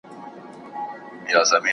هیڅ ټولنه بې ستونزې نه وي.